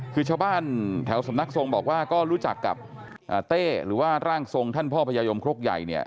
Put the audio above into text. คือชาวบ้านแถวสำนักทรงบอกว่าก็รู้จักกับเต้หรือว่าร่างทรงท่านพ่อพญายมครกใหญ่เนี่ย